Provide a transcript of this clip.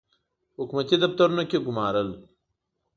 په حکومتي دفترونو کې ګومارل.